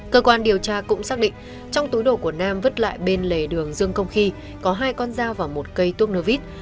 cơ quan điều tra cũng xác định trong túi đồ của nam vứt lại bên lề đường dương công khi có hai con dao và một cây tuốc nơ vít